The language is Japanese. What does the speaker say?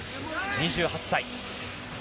２８歳。